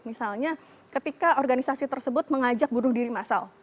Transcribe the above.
misalnya ketika organisasi tersebut mengajak buruh diri massal